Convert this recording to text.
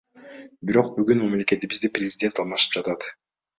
Бирок бүгүн мамлекетибизде президент алмашып жатат.